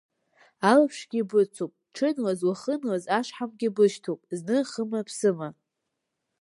Алаԥшгьы быцуп, ҽынлаз, уахынлаз, ашҳамгьы бышьҭоуп, зны хыма-ԥсыма.